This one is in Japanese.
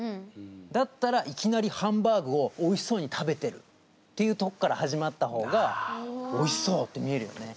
だったらいきなりハンバーグをおいしそうに食べてるっていうとこから始まった方が「おいしそう」って見えるよね。